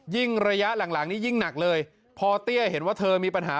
ระยะหลังนี้ยิ่งหนักเลยพอเตี้ยเห็นว่าเธอมีปัญหา